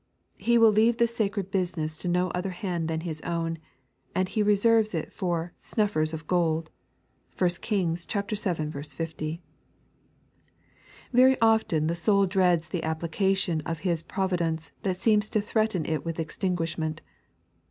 He will leave this sacred business to no other hand than His own ; and He Teserves for it " onuSers of gold " (1 Kings vii. 50). "Very often the soul dreads the application of Hie pro vidence that seems to threaten it with extinguishment.